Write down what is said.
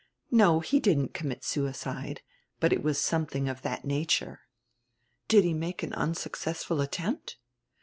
"No, he didn't commit suicide, but it was something of that nature." "Did he make an unsuccessful attempt?